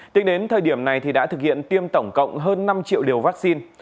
tính đến thời điểm này đã thực hiện tiêm tổng cộng hơn năm triệu liều vaccine